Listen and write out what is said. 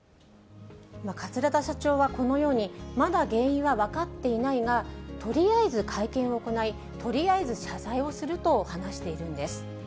桂田社長は、このようにまだ原因は分かっていないが、とりあえず会見を行い、とりあえず謝罪をすると話しているんです。